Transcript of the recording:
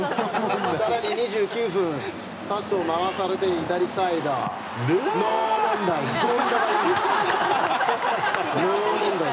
更に２９分パスを回されて左サイド。